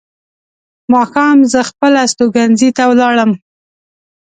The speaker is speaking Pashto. ماښام زه خپل استوګنځي ته ولاړم.